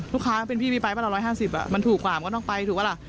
ลูกค้าเป็นพี่มีไปปะละ๑๕๐มันถูกกว่ามันก็ต้องไปถูกปะล่ะ